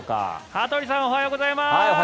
羽鳥さんおはようございます。